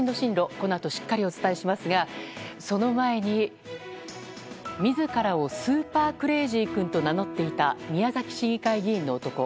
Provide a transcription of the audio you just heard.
このあとしっかりお伝えしますがその前に自らをスーパークレイジー君と名乗っていた宮崎市議会議員の男。